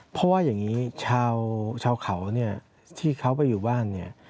เพราะว่าอย่างนี้ชาวเขาที่เขาไปอยู่บ้าน